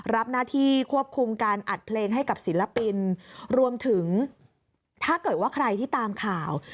รับหน้าที่ควบคุมการอัดเพลงให้กับศิลปินรวมถึงถ้าเกิดว่าใครที่ตามข่าว